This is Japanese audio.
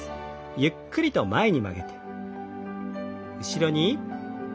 ゆっくりと前に曲げて。